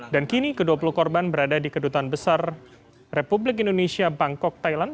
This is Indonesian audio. dan kini kedua puluh korban berada di kedutan besar republik indonesia bangkok thailand